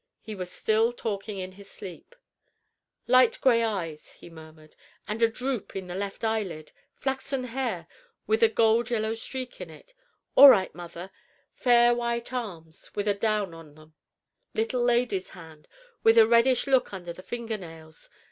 He was still talking in his sleep. "Light gray eyes," he murmured, "and a droop in the left eyelid; flaxen hair, with a gold yellow streak in it all right, mother fair white arms, with a down on them little lady's hand, with a reddish look under the finger nails.